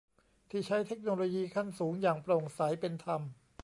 ที่ใช้เทคโนโลยีขั้นสูงอย่างโปร่งใสเป็นธรรม